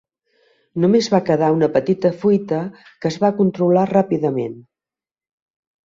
Només va quedar una petita fuita, que es va controlar ràpidament.